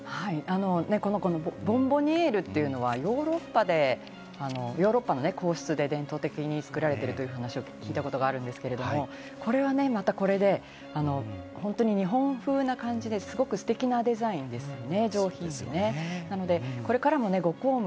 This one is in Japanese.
このボンボニエールっていうのはヨーロッパの皇室で伝統的に作られているという話を聞いたことあるんですが、これはこれでまた日本風な感じですごくステキなデザインですね、上品で。